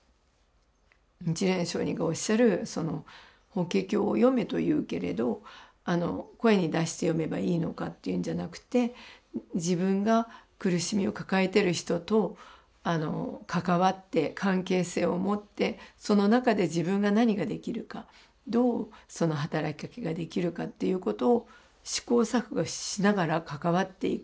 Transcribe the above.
日蓮上人がおっしゃるその「『法華経』を読め」と言うけれど声に出して読めばいいのかっていうんじゃなくて自分が苦しみを抱えてる人と関わって関係性を持ってその中で自分が何ができるかどうその働きかけができるかっていうことを試行錯誤しながら関わっていく。